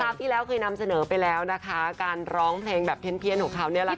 ที่แล้วเคยนำเสนอไปแล้วนะคะการร้องเพลงแบบเพี้ยนของเขาเนี่ยแหละค่ะ